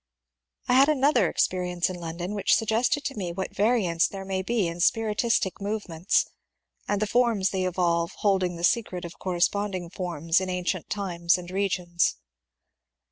I had another experience in London which suggested to me what variants there may be in spiritistic movements, and the forms they evolve holding the secret of corresponding forms in ancient times and regions.